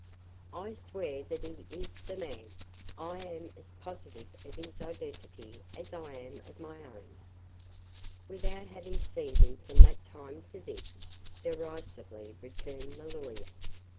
"I swear that he is the man. I am as positive of his identity as I am of my own." "Without having seen him from that time to this?" derisively returned the lawyer.